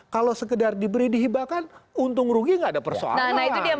kalau sekedar diberi dihibahkan untung rugi nggak ada persoalan